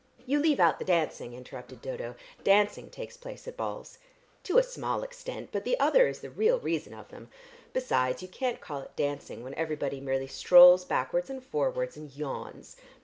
"You leave out the dancing," interrupted Dodo. "Dancing takes place at balls." "To a small extent, but the other is the real reason of them. Besides you can't call it dancing when everybody merely strolls backwards and forwards and yawns.